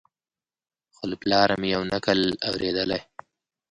خو له پلاره مي یو نکل اورېدلی